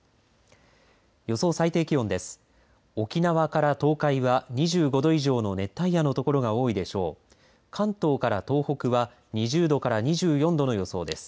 予想最低気温です。